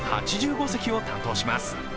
席を担当します。